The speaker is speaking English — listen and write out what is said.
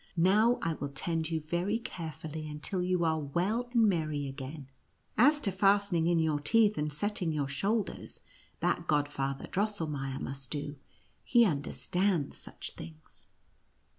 Now I will tend you very NUTCEACKER AND MOUSE KING. 29 carefully until you are well and merry again ; as to fastening in your teeth and setting your shoulders, that Godfather Drosselmeier must do ; he understands such things."